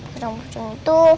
padang pucung itu